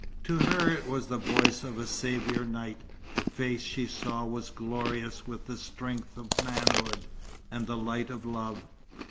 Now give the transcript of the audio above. To her it was the voice of a saviour knight; the face she saw was glorious with the strength of manhood, and the light of love.